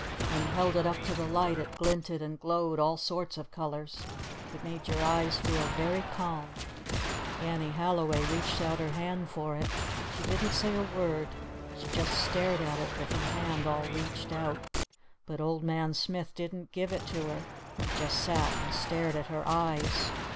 When he held it up to the light it glinted and glowed all sorts of colors. It made your eyes feel very calm. Annie Halliway reached out her hand for it. She didn't say a word. She just stared at it with her hand all reached out. But Old Man Smith didn't give it to her. He just sat and stared at her eyes.